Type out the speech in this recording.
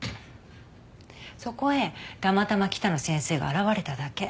そこへたまたま北野先生が現れただけ。